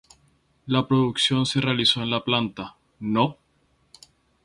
La producción se realizó en la planta No.